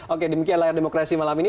oke demikian layar demokrasi malam ini